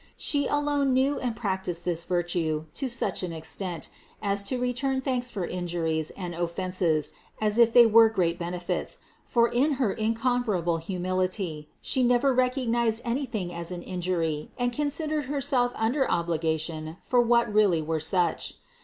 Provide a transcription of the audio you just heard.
She alone knew and practiced this virtue to such an ex tent, as to return thanks for injuries and offenses as if they were great benefits ; for in her incomparable humility She never recognized anything as an injury and con sidered Herself under obligation for what really were such.